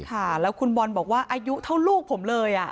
ค่ะแล้วคุณบอลบอกว่าอายุเท่าลูกผมเลย